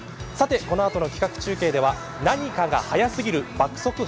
このあとの企画中継では、何かが速すぎる爆速